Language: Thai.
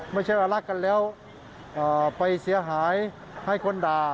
ไม่ใช่ว่ารักกันแล้วไปเสียหายให้คนด่า